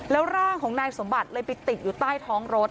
แล้วร่างของนายสมบัติเลยไปติดอยู่ใต้ท้องรถ